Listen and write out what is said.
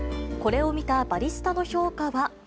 これを見たバリスタの評価は。